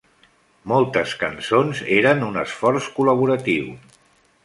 Moltes cançons eren un esforç col·laboratiu.